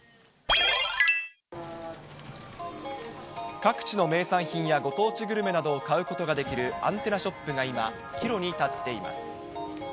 各地の名産品やご当地グルメなどを買うことができるアンテナショップが今、岐路に立っています。